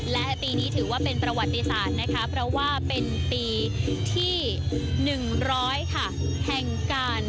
และปีนี้ถือว่าเป็นประวัติศาสตร์นะคะเพราะว่าเป็นปีที่๑๐๐ค่ะแห่งการ